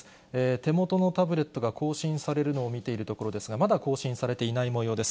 手元のタブレットが更新されるのを見ているところですが、まだ更新されていないもようです。